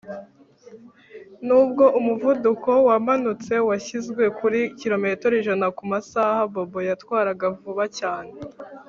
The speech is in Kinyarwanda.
Nubwo umuvuduko wamanutse washyizwe kuri kilometero ijana kumasaha Bobo yatwaraga vuba cyane